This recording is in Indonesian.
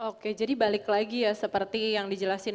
oke jadi balik lagi ya seperti yang dijelasin